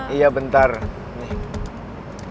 iya bentar nih